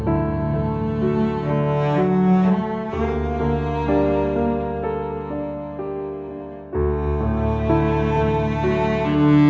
aku masih di dunia